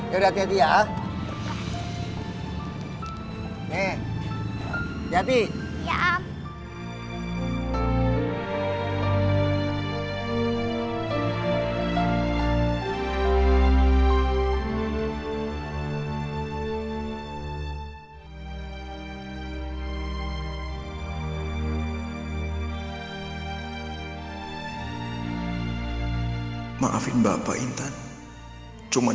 yaudah hati hati ya